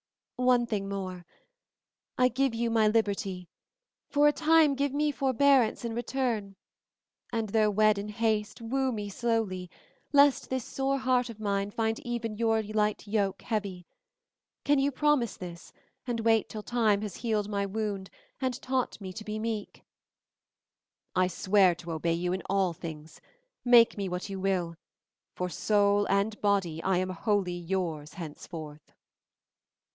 "One thing more. I give you my liberty; for a time give me forbearance in return, and though wed in haste woo me slowly, lest this sore heart of mine find even your light yoke heavy. Can you promise this, and wait till time has healed my wound, and taught me to be meek?" "I swear to obey you in all things; make me what you will, for soul and body I am wholly yours henceforth."